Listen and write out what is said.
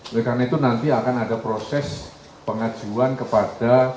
oleh karena itu nanti akan ada proses pengajuan kepada